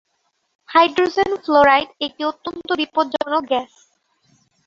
Hydrogen fluoride একটি অত্যন্ত বিপজ্জনক গ্যাস।